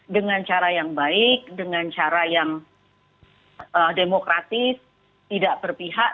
dengan cara yang baik dengan cara yang demokratis tidak berpihak